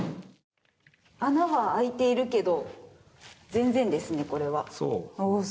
穴が開いてるけど全然ですね、これは。